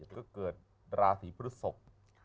ก็เกิดราศีพฤศพ